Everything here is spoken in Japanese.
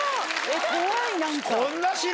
怖い何か。